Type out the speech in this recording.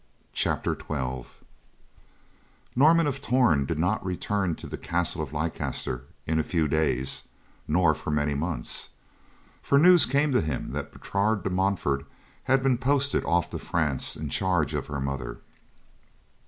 CHAPTER XII Norman of Torn did not return to the castle of Leicester "in a few days," nor for many months. For news came to him that Bertrade de Montfort had been posted off to France in charge of her mother.